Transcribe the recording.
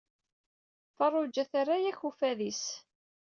Feṛṛuǧa tarra-d ak uffad-is.